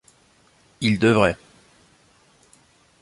Ils devraient.